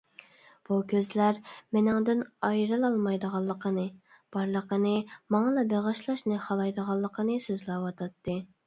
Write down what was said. بۇ كۆزلەر مېنىڭدىن ئايرىلالمايدىغانلىقىنى، بارلىقىنى ماڭىلا بېغىشلاشنى خالايدىغانلىقىنى سۆزلەۋاتاتتى.